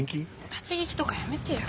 立ち聞きとかやめてよ。